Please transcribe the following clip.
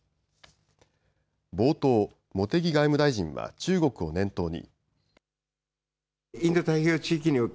冒頭、茂木外務大臣は中国を念頭に。